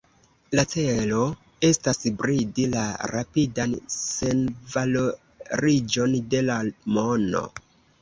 La celo estas bridi la rapidan senvaloriĝon de la mono.